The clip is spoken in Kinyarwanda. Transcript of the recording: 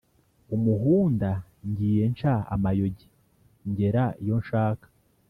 Umuhunda ngiye nca amayogi ngera iyo nshaka